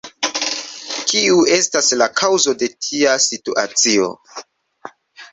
Kiu estas la kaŭzo de tia situacio?